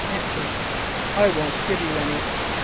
I won't give you any.